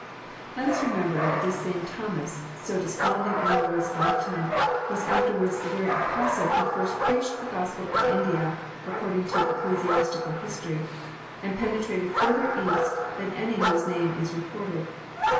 Let us remember that this same Thomas, so desponding in our Lord's life time, was afterwards the very Apostle who first preached the Gospel in India, according to ecclesiastical his tory, and penetrated farther East than any whose name is re coraed.